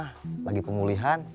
masih lagi pemulihan